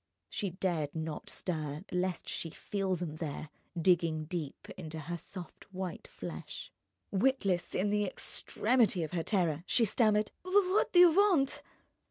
She dared not stir lest she feel them there, digging deep into her soft white flesh. Witless, in the extremity of her terror, she stammered: "What do you want?"